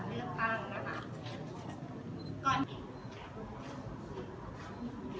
ที่สนุกทำให้ให้เป็นที่สุดสุด